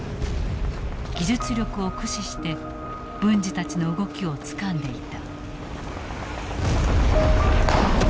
技術力を駆使して文次たちの動きをつかんでいた。